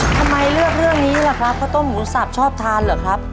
ทำไมเลือกเรื่องนี้ล่ะครับข้าวต้มหมูสับชอบทานเหรอครับ